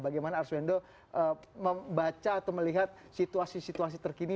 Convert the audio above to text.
bagaimana arswendo membaca atau melihat situasi situasi terkini